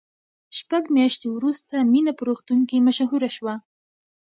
شپږ میاشتې وروسته مینه په روغتون کې مشهوره شوه